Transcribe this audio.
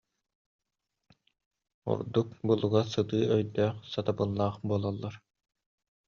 Ордук булугас, сытыы өйдөөх, сатабыллаах буолаллар